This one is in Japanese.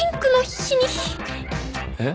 えっ？